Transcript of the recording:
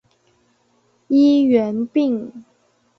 医源病。